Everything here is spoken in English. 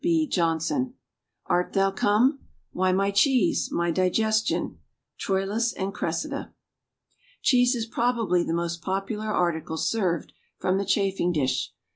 B. Jonson. Art thou come? Why my cheese, my digestion! Troilus and Cressida. Cheese is probably the most popular article served from the chafing dish.